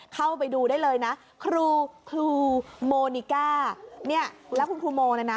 เข้าไปดูได้เลยนะครูครูโมนิก้าเนี่ยแล้วคุณครูโมเนี่ยนะ